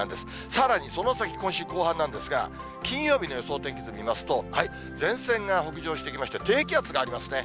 さらにその先、今週後半なんですが、金曜日の予想天気図見ますと、前線が北上してきまして、低気圧がありますね。